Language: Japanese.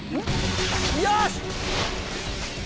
よし‼